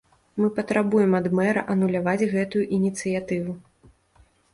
Мы патрабуем ад мэра ануляваць гэтую ініцыятыву.